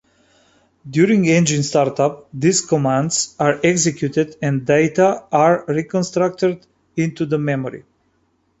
During engine start-up, these commands are executed and data are reconstructed into the memory.